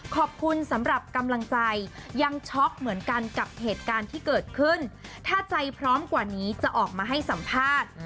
ขอบคุณสำหรับกำลังใจยังช็อกเหมือนกันกับเหตุการณ์ที่เกิดขึ้นถ้าใจพร้อมกว่านี้จะออกมาให้สัมภาษณ์